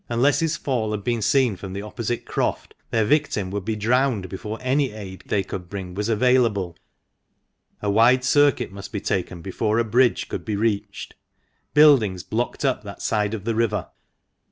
Unless his fall had been seen from the opposite croft, their victim would be drowned before any aid they could bring was available ; a wide circuit must be taken before a bridge could be reached. Buildings blocked up that side of the river.